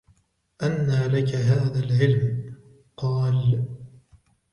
أَنَّى لَك هَذَا الْعِلْمُ ؟ قَالَ